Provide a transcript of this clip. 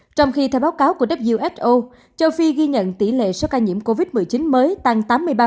trong khi theo báo cáo của who châu phi ghi nhận tỷ lệ số ca nhiễm covid một mươi chín mới tăng tám mươi ba